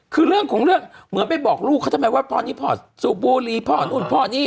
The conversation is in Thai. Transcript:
คือเรื่องของเรื่องเหมือนไปบอกลูกเขาทำไมว่าตอนนี้พ่อสูบบุรีพ่อนู่นพ่อนี่